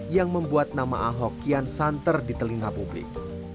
yang membuat nama ahok kian santer di telinga publik